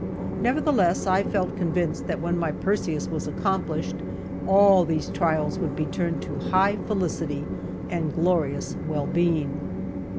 Nevertheless, I felt convinced that when my Perseus was accomplished, all these trials would be turned to high felicity and glorious well being.